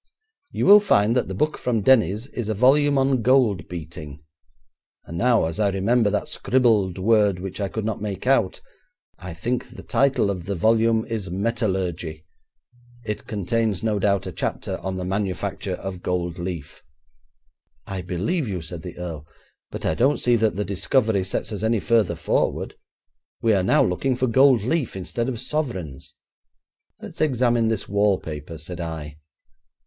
You will find that the book from Denny's is a volume on gold beating, and now as I remember that scribbled word which I could not make out, I think the title of the volume is "Metallurgy". It contains, no doubt, a chapter on the manufacture of gold leaf.' 'I believe you,' said the earl; 'but I don't see that the discovery sets us any further forward. We're now looking for gold leaf instead of sovereigns.' 'Let's examine this wallpaper,' said I.